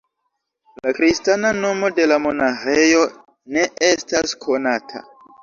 La kristana nomo de la monaĥejo ne estas konata.